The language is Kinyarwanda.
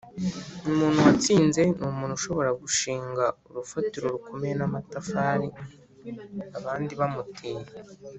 "umuntu watsinze ni umuntu ushobora gushinga urufatiro rukomeye n'amatafari abandi bamuteye."